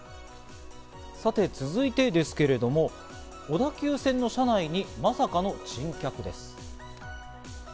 さて続いてですけれども、小田急線の車内にまさかの珍客です。